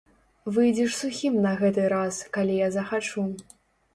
Выйдзеш сухім на гэты раз, калі я захачу.